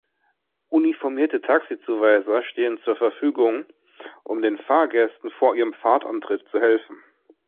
Uniformierte Taxizuweiser stehen zur Verfügung, um den Fahrgästen vor ihrem Fahrtantritt zu helfen.